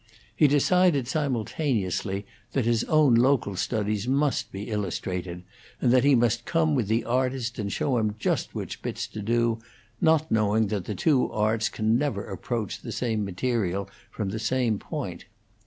He decided simultaneously that his own local studies must be illustrated, and that he must come with the artist and show him just which bits to do, not knowing that the two arts can never approach the same material from the same point.